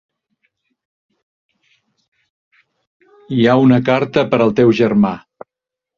Hi ha una carta per al teu germà.